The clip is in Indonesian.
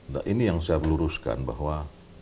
nah ini yang saya luruskan bahwa